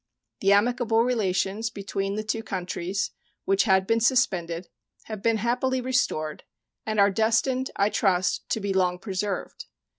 The amicable relations between the two countries, which had been suspended, have been happily restored, and are destined, I trust, to be long preserved.